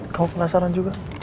kamu penasaran juga